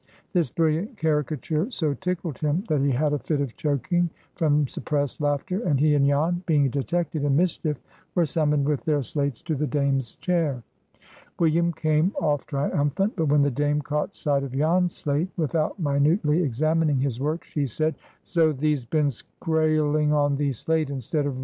This brilliant caricature so tickled him, that he had a fit of choking from suppressed laughter; and he and Jan, being detected "in mischief," were summoned with their slates to the Dame's chair. William came off triumphant; but when the Dame caught sight of Jan's slate, without minutely examining his work, she said, "Zo thee's been scraaling on thee slate, instead of writing thee figures," and at once began to fumble beneath her chair.